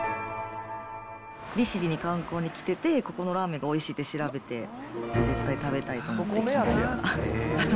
利尻に観光に来てて、ここのラーメンがおいしいって調べて、絶対食べたいと思ってきました。